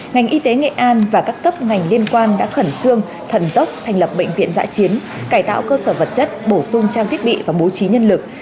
ngành y tế nghệ an và các cấp ngành liên quan đã khẩn trương thần dốc thành lập bệnh viện giã chiến cải tạo cơ sở vật chất bổ sung trang thiết bị và bố trí nhân lực